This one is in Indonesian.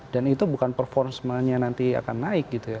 dan itu bukan performance nya nanti akan naik gitu ya